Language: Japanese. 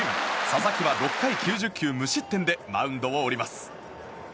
佐々木は６回９０球無失点でマウンドを降ります。